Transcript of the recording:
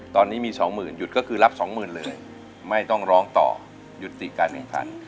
ตอนนี้มีสองหมื่นหยุดก็คือรับสองหมื่นเลยไม่ต้องร้องต่อหยุดติดการแข่งขัน